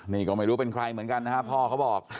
นี่ก็ไม่รู้เป็นใครเหมือนกันนะฮะพ่อเขาบอก